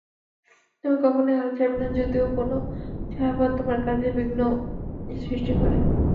তুমি কখনই হাল ছাড়বেন না, যদিও কোনো ছায়াপথ তোমার কাজে বিঘ্ন সৃষ্টি করে।